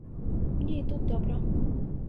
Мне і тут добра.